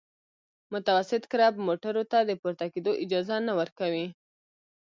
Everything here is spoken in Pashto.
متوسط کرب موټرو ته د پورته کېدو اجازه نه ورکوي